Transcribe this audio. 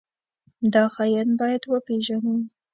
دا خاين بايد وپېژنو.